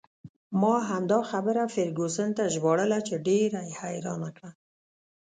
ما همدا خبره فرګوسن ته ژباړله چې ډېر یې حیرانه کړه.